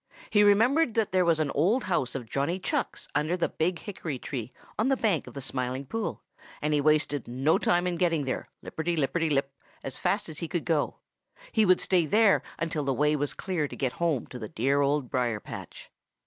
He remembered that there was an old house of Johnny Chuck's under the Big Hickory tree on the bank of the Smiling Pool, and he wasted no time in getting there, lipperty lipperty lip, as fast as he could go. He would stay there until the way was clear to get home to the dear Old Briar patch.